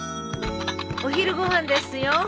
お昼ご飯ですよ。